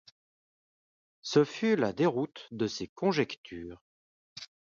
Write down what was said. Ce fut la déroute de ses conjectures.